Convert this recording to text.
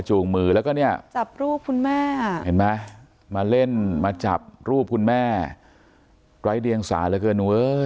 จับรูปคุณแม่มาเล่นมาจับรูปคุณแม่ไกรเดียงสายละเกิน